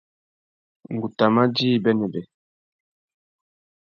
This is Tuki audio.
Ngu tà mà djï bênêbê.